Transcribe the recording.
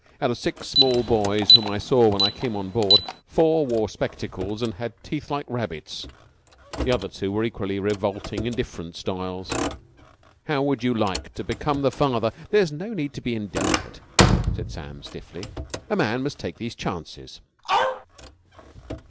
Out of six small boys whom I saw when I came on board, four wore spectacles and had teeth like rabbits. The other two were equally revolting in different styles. How would you like to become the father...?" "There is no need to be indelicate," said Sam stiffly. "A man must take these chances."